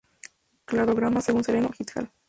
Cladograma según Sereno "et al.